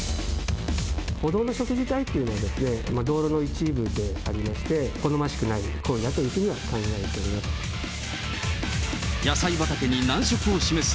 歩道の植樹帯というのは道路の一部でありまして、好ましくない行為だというふうに考えております。